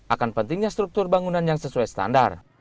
akan pentingnya struktur bangunan yang sesuai standar